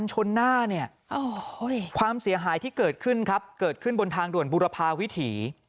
ใช่นี่ยังไงคุณดูสิ